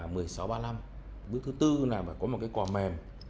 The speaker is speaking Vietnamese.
bữa thứ tư là phải có một cái quả mềm